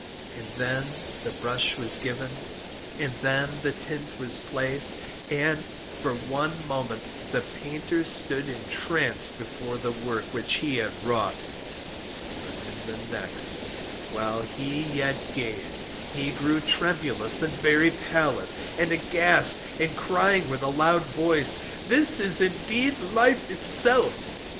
And then the brush was given, and then the tint was placed; and, for one moment, the painter stood entranced before the work which he had wrought; but in the next, while he yet gazed, he grew tremulous and very pallid, and aghast, and crying with a loud voice, 'This is indeed Life itself!